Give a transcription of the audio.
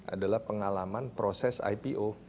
adalah pengalaman proses ipo